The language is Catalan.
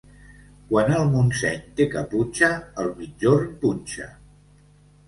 Quan el Montseny té caputxa, el migjorn punxa.